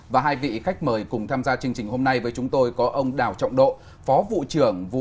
và hai vị khách mời cùng tham gia chương trình hôm nay với chúng tôi có ông đào trọng độ phó vụ trưởng